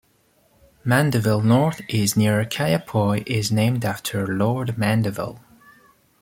Mandeville North near Kaiapoi is named after Lord Mandeville.